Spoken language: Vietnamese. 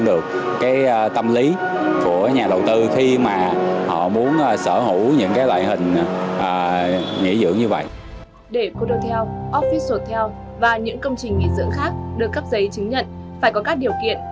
để cô tô teo office hotel và những công trình nghỉ dưỡng khác được cấp giấy chứng nhận phải có các điều kiện